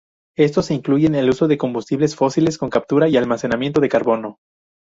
Estos incluyen el uso de combustibles fósiles con captura y almacenamiento de carbono.